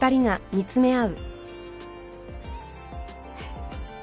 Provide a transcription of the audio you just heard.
フッ。